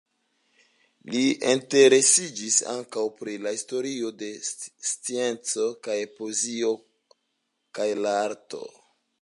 Li interesiĝis ankaŭ pri la historio de scienco, la poezio kaj la arto.